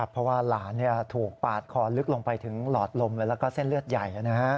เพราะว่าหลานถูกปาดคอลึกลงไปถึงหลอดลมแล้วก็เส้นเลือดใหญ่